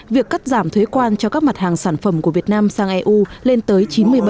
việc cắt giảm thuế quan cho các mặt hàng sản phẩm của việt nam sang eu lên tới chín mươi bảy